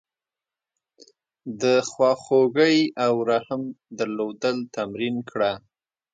د خواخوږۍ او رحم درلودل تمرین کړه.